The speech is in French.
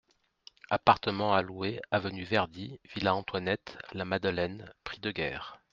Appartement à louer, avenue Verdi, villa Antoinette, La Madeleine, prix de guerre.